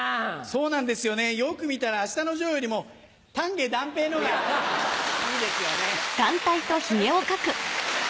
そうなんですよねよく見たら『あしたのジョー』よりも丹下段平のほうがいいですよね。